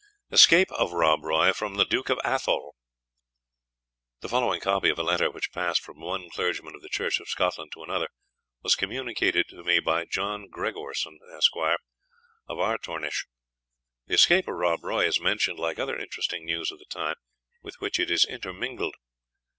ESCAPE OF ROB ROY FROM THE DUKE OF ATHOLE. The following copy of a letter which passed from one clergyman of the Church of Scotland to another, was communicated to me by John Gregorson, Esq. of Ardtornish. The escape of Rob Roy is mentioned, like other interesting news of the time with which it is intermingled.